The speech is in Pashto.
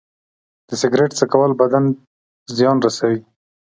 د سګرټ څکول بدن زیان رسوي.